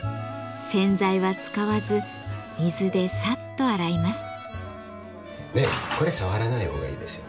洗剤は使わず水でサッと洗います。